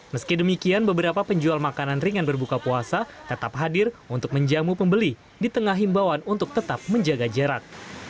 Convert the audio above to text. meski demikian beberapa penjual makanan ringan berbuka puasa tetap hadir untuk menjamu pembeli di tengah himbawan untuk tetap menjaga jarak